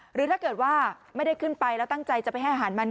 หรือถ้าเกิดว่าไม่ได้ขึ้นไปแล้วตั้งใจจะไปให้อาหารมัน